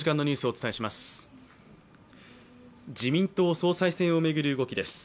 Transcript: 自民党総裁選を巡る動きです。